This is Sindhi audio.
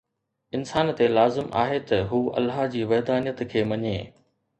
انسان تي لازم آهي ته هو الله جي وحدانيت کي مڃي